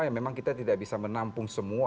yang memang kita tidak bisa menampung semua